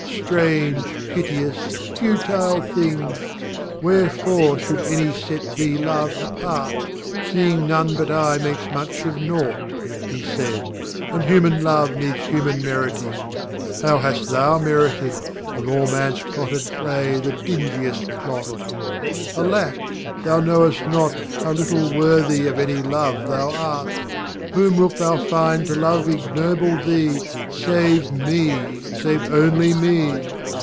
Strange, piteous, futile thing! Wherefore should any set thee love apart? Seeing none but I makes much of naughtŌĆÖ (He said), ŌĆśAnd human love needs human meriting: How hast thou meritedŌĆö Of all manŌĆÖs clotted clay the dingiest clot? Alack, thou knowest not How little worthy of any love thou art! Whom wilt thou find to love ignoble thee, Save Me, save only Me?